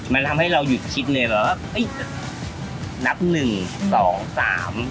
มันทำให้เราหยุดคิดเลยว่าเอ้ยนับหนึ่งสองสาม